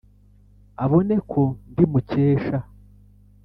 abone ko ndi mukesha